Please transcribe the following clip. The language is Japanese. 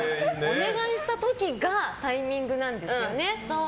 お願いした時がタイミングなんですよね。